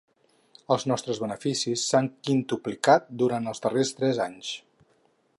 Els nostres beneficis s'han quintuplicat durant els darrers tres anys.